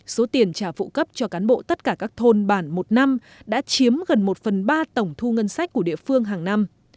số tiền trả phụ cấp cho cán bộ tất cả các thôn bản một năm đã chiếm gần một phần ba tổng thu ngân sách của địa phương hàng năm